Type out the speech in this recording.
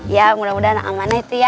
ya mudah mudahan amanah itu ya